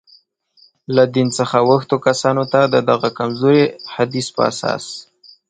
له دین څخه اوښتو کسانو ته، د دغه کمزوري حدیث په اساس.